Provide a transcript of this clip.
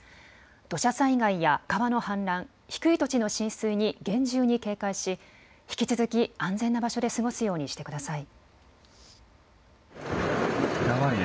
土砂災害や川の氾濫、低い土地の浸水に厳重に警戒し引き続き安全な場所で過ごすようにしてください。